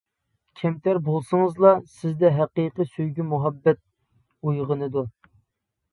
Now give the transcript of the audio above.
كەمتەر بولسىڭىزلا سىزدە ھەقىقىي سۆيگۈ-مۇھەببەت ئويغىنىدۇ.